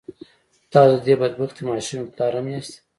تاسو د دې بد بختې ماشومې پلار هم ياستئ.